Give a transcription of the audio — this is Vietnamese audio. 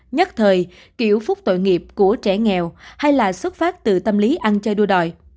nhất thời kiểu phúc tội nghiệp của trẻ nghèo hay là xuất phát từ tâm lý ăn chơi đua đòi